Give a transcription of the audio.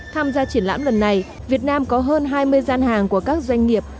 tham gia triển lãm lần này việt nam có hơn hai mươi gian hàng của các doanh nghiệp